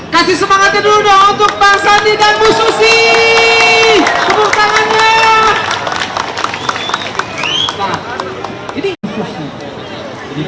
kasih semangat untuk bahasa indonesia musuh sih